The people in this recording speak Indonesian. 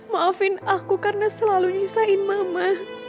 maafin aku karena selalu nyusahin mama